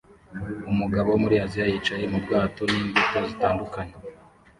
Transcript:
Umugabo wo muri Aziya yicaye mu bwato n'imbuto zitandukanye